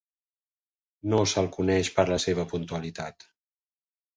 No se'l coneix per la seva puntualitat.